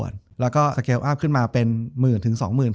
จบการโรงแรมจบการโรงแรม